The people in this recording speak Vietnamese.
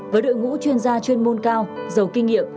với đội ngũ chuyên gia chuyên môn cao giàu kinh nghiệm